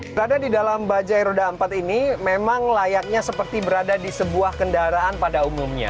berada di dalam bajai roda empat ini memang layaknya seperti berada di sebuah kendaraan pada umumnya